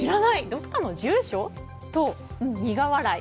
どっかの住所？と苦笑い。